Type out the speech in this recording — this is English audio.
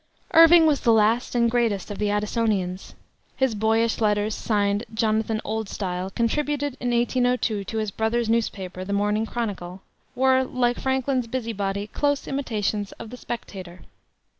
Irving was the last and greatest of the Addisonians. His boyish letters, signed "Jonathan Oldstyle," contributed in 1802 to his brother's newspaper, the Morning Chronicle, were, like Franklin's Busybody, close imitations of the Spectator.